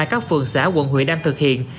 các phường xã quận huyện đang thực hiện